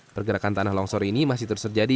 pergerakan tanah longsor ini masih terus terjadi